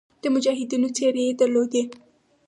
د مجاهدینو څېرې یې درلودې.